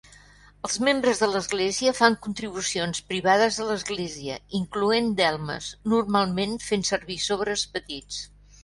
Els membres de l'església fan contribucions privades a l'església, incloent delmes, normalment fent servir sobres petits.